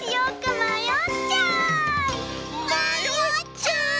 まよっちゃう！